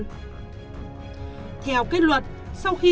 tuy nhiên trong hoạt động cho vay